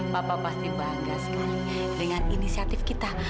bapak pasti bangga sekali dengan inisiatif kita